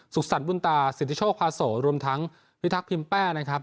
สุขสรรคมุ่นตาสินทริโชคปาโสรวมทั้งพิทักรพิมแป้ร์นะครับ